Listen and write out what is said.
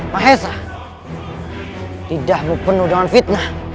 mahesa tidak penuh dengan fitnah